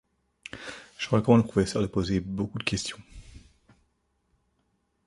Je recommande aux professeurs de poser beaucoup de questions.